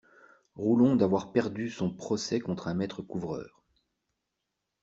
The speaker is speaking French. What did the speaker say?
Roulon d'avoir perdu son procès contre un maître couvreur.